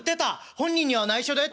『本人にはないしょだよ』って」。